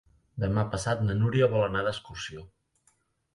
Demà passat na Núria vol anar d'excursió.